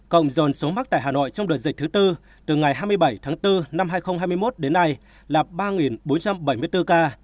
cộng dồn số mắc tại hà nội trong đợt dịch thứ tư từ ngày hai mươi bảy tháng bốn năm hai nghìn hai mươi một đến nay là ba bốn trăm bảy mươi bốn ca